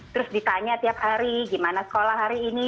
terus ditanya tiap hari gimana sekolah hari ini